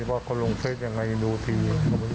ว่าเขาลงเฟสยังไงดูที